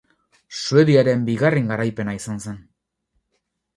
Suediaren bigarren garaipena izan zen.